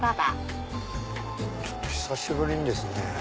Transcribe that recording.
ちょっと久しぶりにですね。